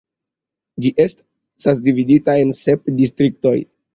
Ĝi estas dividita en sep distriktoj.